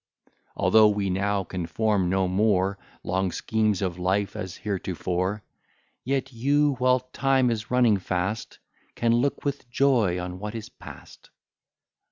Although we now can form no more Long schemes of life, as heretofore; Yet you, while time is running fast, Can look with joy on what is past.